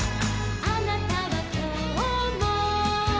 「あなたはきょうも」